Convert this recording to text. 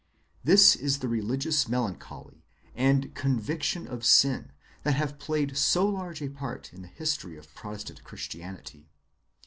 This is the religious melancholy and "conviction of sin" that have played so large a part in the history of Protestant Christianity.